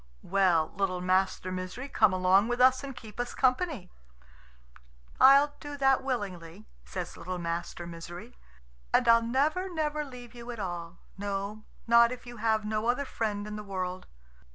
"Well, little Master Misery, come along with us and keep us company." "I'll do that willingly," says little Master Misery, "and I'll never, never leave you at all no, not if you have no other friend in the world."